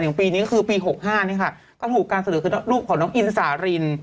ปีนี้ก็คือปี๖๕นี่ค่ะก็ถูกการเสนอคือรูปของน้องอินสาริน